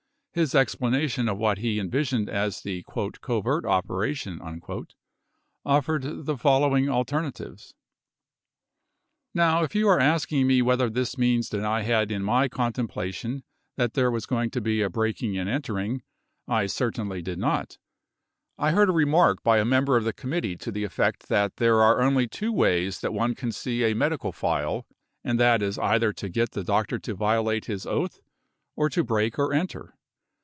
His explanation of what he envisioned as the "covert operation" offered the following alternatives : Now, if you are asking me whether this means that I had in my contemplation that there was going to be a breaking and entering, I certainly did not. I heard a remark by a mem ber of the committee to the effect that there are only two ways that one can see a medical file, and that is either to get the doctor to violate his oath or to break or enter.